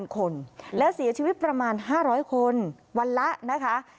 คนและเสียชีวิตประมาณ๕๐๐คนวันละนะคะ